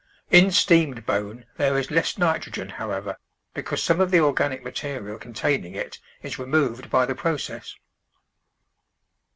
In steamed bone there is less nitrogen, however, because some of the organic material con taining it is removed by the process.